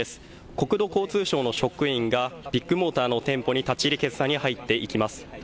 国土交通省の職員がビッグモーターの店舗に立ち入り検査に入っていきます。